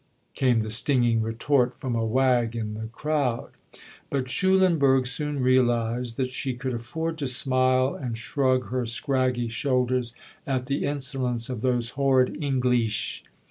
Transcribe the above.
came the stinging retort from a wag in the crowd. But Schulenburg soon realised that she could afford to smile and shrug her scraggy shoulders at the insolence of those "horrid Engleesh."